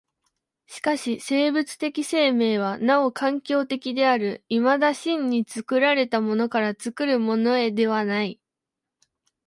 しかし生物的生命はなお環境的である、いまだ真に作られたものから作るものへではない。